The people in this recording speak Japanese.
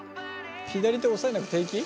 左手押さえなくて平気？